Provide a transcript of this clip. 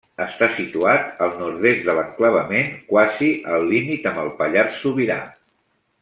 Està situat al nord-est de l'enclavament, quasi al límit amb el Pallars Sobirà.